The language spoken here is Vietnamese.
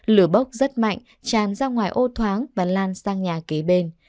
lửa bốc rất mạnh tràn ra ngoài ô thoáng và lan sang nhà kế bên